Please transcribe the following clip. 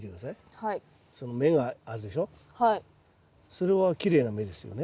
それはきれいな芽ですよね。